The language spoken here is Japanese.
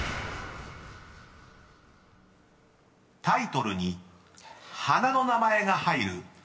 ［タイトルに花の名前が入る